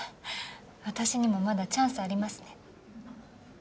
私にもまだチャンスありますね。